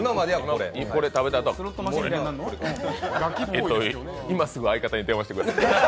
えっと、今すぐ相方に電話してください。